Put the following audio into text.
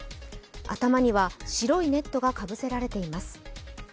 頭には白いネットがかぶせられています。